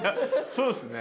そうっすね。